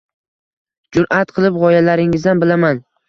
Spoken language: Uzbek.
Jur’at qilib g‘oyalaringizdan bilaman.